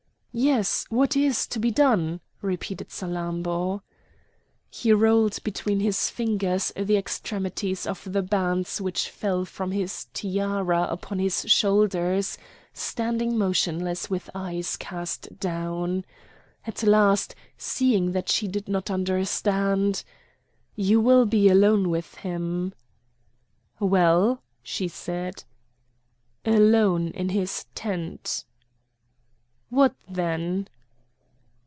"Yes, what is to be done?" repeated Salammbô. He rolled between his fingers the extremities of the bands which fell from his tiara upon his shoulders, standing motionless with eyes cast down. At last seeing that she did not understand: "You will be alone with him." "Well?" she said. "Alone in his tent." "What then?"